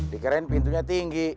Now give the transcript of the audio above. dikirain pintunya tinggi